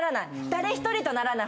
誰一人とならない。